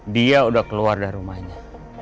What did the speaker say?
dia udah keluar dari rumahnya